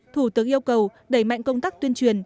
thủ tướng yêu cầu đẩy mạnh công tác tuyên truyền